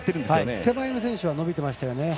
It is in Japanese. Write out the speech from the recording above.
手前の選手は伸びていましたよね。